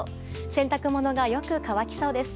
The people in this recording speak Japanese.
洗濯物が、よく乾きそうです。